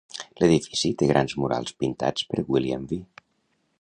L'edifici té grans murals pintats per William B.